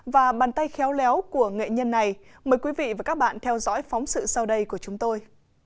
và bàn tay khéo léo của nghệ nhân này mời quý vị và các bạn theo dõi phóng sự sau đây của chúng tôi